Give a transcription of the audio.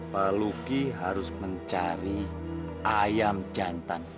pak luki harus mencari ayam jantan